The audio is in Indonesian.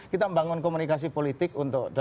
kita membangun komunikasi politik untuk